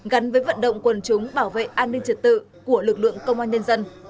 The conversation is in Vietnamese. gắn với vận động quần chúng bảo vệ an ninh trật tự của lực lượng công an nhân dân